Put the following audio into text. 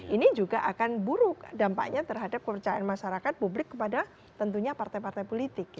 ini juga akan buruk dampaknya terhadap kepercayaan masyarakat publik kepada tentunya partai partai politik